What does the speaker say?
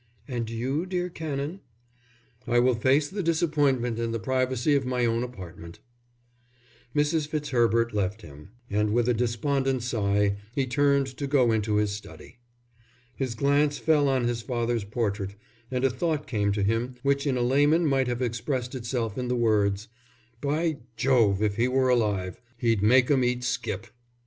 "And you, dear Canon?" "I will face the disappointment in the privacy of my own apartment." Mrs. Fitzherbert left him, and with a despondent sigh he turned to go into his study. His glance fell on his father's portrait, and a thought came to him which in a layman might have expressed itself in the words: "By Jove, if he were alive, he'd make 'em skip."